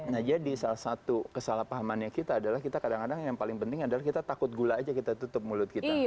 nah jadi salah satu kesalahpahamannya kita adalah kita kadang kadang yang paling penting adalah kita takut gula aja kita tutup mulut kita